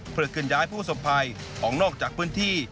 เพื่อเคลื่อนย้ายผู้สบภัยของนอกจากพื้นที่